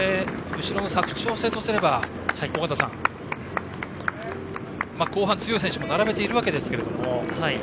後ろの佐久長聖とすれば尾方さん、後半、強い選手も並べているわけですけれども。